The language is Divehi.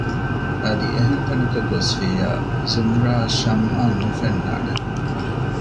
އަދި އެހެން ތަނަކަށް ގޮސްފިއްޔާ ޒުމްރާއަށް ޝަމްއާން ނުފެންނާނެ